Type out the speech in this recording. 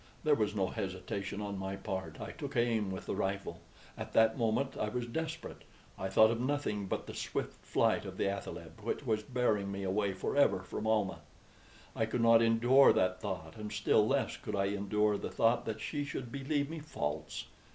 There was no hesitation on my part. I took aim with the rifle. At that moment I was desperate. I thought of nothing but the swift flight of the athaleb, which was bearing me away forever from Almah. I could not endure that thought, and still less could I endure the thought that she should believe me false.